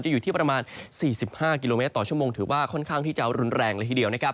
อยู่ที่ประมาณ๔๕กิโลเมตรต่อชั่วโมงถือว่าค่อนข้างที่จะรุนแรงเลยทีเดียวนะครับ